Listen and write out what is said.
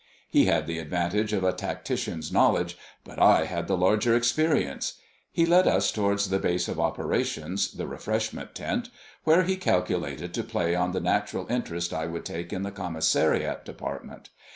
He had the advantage of a tactician's knowledge, but I had the larger experience. He led us towards the base of operations, the refreshment tent, where he calculated to play on the natural interest I should take in the commissariat department.